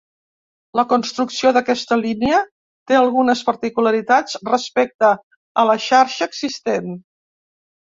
La construcció d'aquesta línia té algunes particularitats respecte a la xarxa existent.